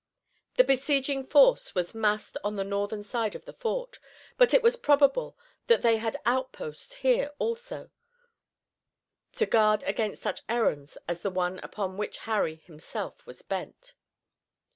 The besieging force was massed on the northern side of the fort, but it was probable that they had outposts here also, to guard against such errands as the one upon which Harry himself was bent.